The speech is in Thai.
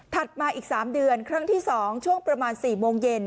มาอีก๓เดือนครั้งที่๒ช่วงประมาณ๔โมงเย็น